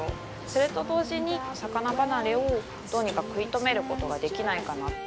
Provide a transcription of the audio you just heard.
それと同時に魚離れをどうにか食い止めることができないかな。